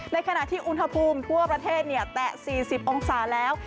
ในขณะที่อุณหภูมิทั่วประเทศเนี่ยแตะสี่สิบองศาแล้ว